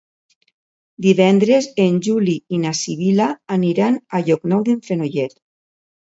Divendres en Juli i na Sibil·la aniran a Llocnou d'en Fenollet.